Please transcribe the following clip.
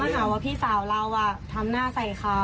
อ๋อเขาก็ถามว่าพี่สาวเราทำหน้าใส่เขา